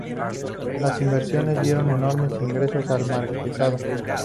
Las inversiones dieron enormes ingresos al Marquesado.